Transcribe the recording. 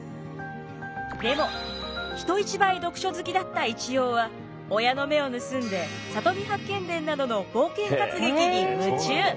でも人一倍読書好きだった一葉は親の目を盗んで「里見八犬伝」などの冒険活劇に夢中。